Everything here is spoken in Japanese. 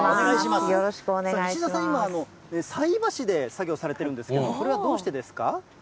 西澤さん、今、菜箸で作業されてるんですけれども、これはどうしてですか？